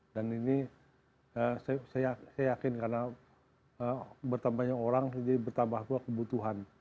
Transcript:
dan ini saya yakin karena bertambah banyak orang jadi bertambah pula kebutuhan